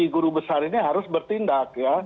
guru besar ini harus bertindak ya